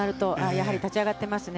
やはり、立ち上がっていますね